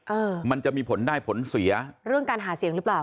เออมันจะมีผลได้ผลเสียเรื่องการหาเสียงหรือเปล่า